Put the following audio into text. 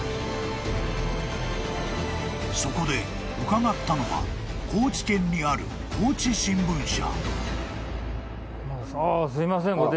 ［そこで伺ったのは高知県にある高知新聞社］